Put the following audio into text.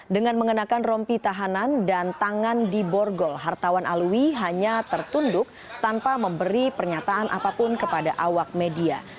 dengan mengenakan rompi tahanan dan tangan di borgol hartawan alwi hanya tertunduk tanpa memberi pernyataan apapun kepada awak media